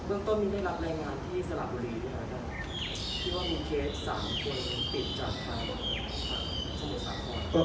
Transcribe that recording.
เราก็ไม่ได้รับแรงงานที่สลับบุรีนะครับ